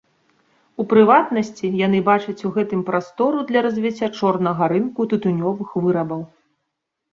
У прыватнасці, яны бачаць у гэтым прастору для развіцця чорнага рынку тытунёвых вырабаў.